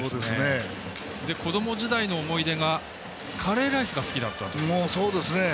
こども時代の思い出がカレーライスが好きだったと。